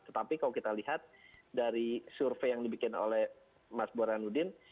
tetapi kalau kita lihat dari survei yang dibikin oleh mas burhanuddin